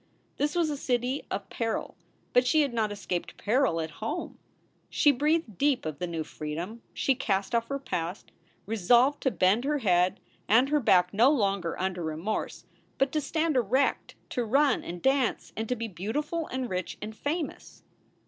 This was a city of peril, but she had not escaped peril at home. She breathed deep of the new freedom. She cast off her past, resolved to bend her head and her back no longer under remorse, but to stand erect, to run, and dance, and to be beautiful and rich and famous.